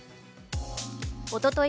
おととい